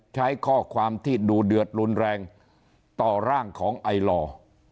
ใช้ข้อความที่ดูเดือดรุนแรงต่อร่างของไอลอร์